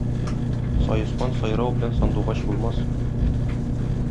Саескан сайрау белән сандугач булмас.